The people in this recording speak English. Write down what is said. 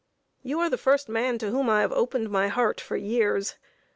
You are the first man to whom I have opened my heart for years.